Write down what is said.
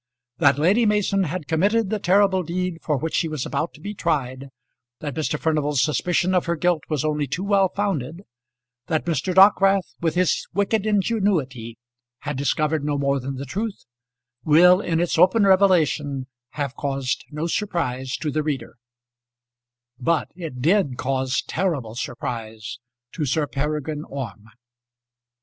That Lady Mason had committed the terrible deed for which she was about to be tried, that Mr. Furnival's suspicion of her guilt was only too well founded, that Mr. Dockwrath with his wicked ingenuity had discovered no more than the truth, will, in its open revelation, have caused no surprise to the reader; but it did cause terrible surprise to Sir Peregrine Orme.